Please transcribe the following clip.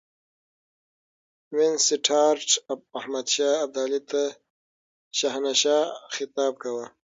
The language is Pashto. وینسیټارټ احمدشاه ابدالي ته شهنشاه خطاب کاوه.